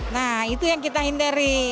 nah itu yang kita hindari